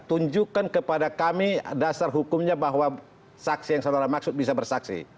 tunjukkan kepada kami dasar hukumnya bahwa saksi yang saudara maksud bisa bersaksi